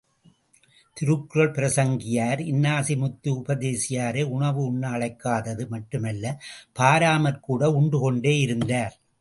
திருக்குறள் பிரசங்கியார் இன்னாசிமுத்து உபதேசியாரை உணவு உண்ண அழைக்காதது மட்டுமல்ல, பாராமற்கூட உண்டு கொண்டேயிருந்தார்.